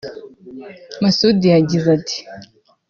Masudi yagize ati